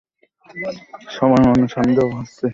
সবার মনে সন্দেহ হচ্ছে, একইসাথে কৌতুহলও বটে।